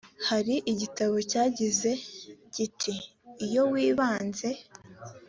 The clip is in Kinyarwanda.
hari igitabo cyagize kiti iyo wibanze